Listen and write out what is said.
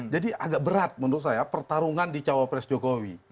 jadi agak berat menurut saya pertarungan di cawapres jokowi